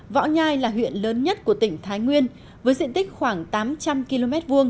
võ nhai là huyện lớn nhất của tỉnh thái nguyên với diện tích khoảng tám trăm linh km hai